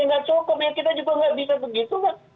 tidak cukup kita juga nggak bisa begitu pak